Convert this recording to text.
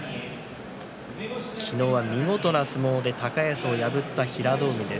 昨日は見事な相撲で高安を破った平戸海です。